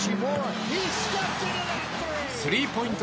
スリーポイント